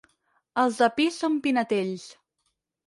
Els de Pi són pinetells.